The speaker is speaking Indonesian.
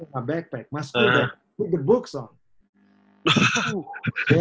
saya memakai beg beg saya sekolah saya dengan buku saya